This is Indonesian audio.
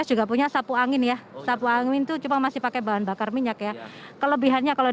juga punya sapu angin ya sapu angin itu cuma masih pakai bahan bakar minyak ya kelebihannya kalau